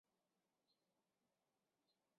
长角大锹形虫生物。